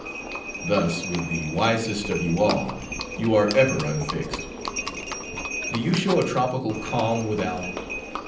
Thus with the wisest of you all; you are ever unfixed. Do you show a tropical calm without?